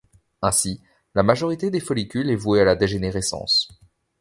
Ainsi, la majorité des follicules est vouée à la dégénérescence.